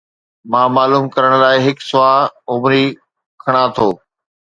مان معلوم ڪرڻ لاءِ هڪ سوانح عمري کڻان ٿو.